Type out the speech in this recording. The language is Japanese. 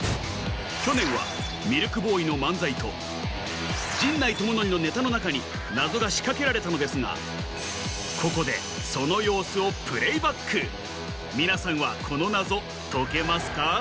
去年はミルクボーイの漫才と陣内智則のネタの中に謎が仕掛けられたのですがここでその皆さんはこの謎解けますか？